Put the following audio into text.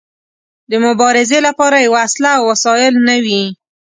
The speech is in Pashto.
د مبارزې لپاره يې وسله او وسايل نه وي.